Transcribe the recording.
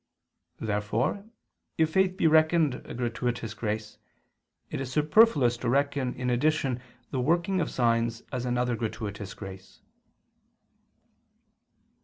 Therefore, if faith be reckoned a gratuitous grace, it is superfluous to reckon in addition the working of signs as another gratuitous grace.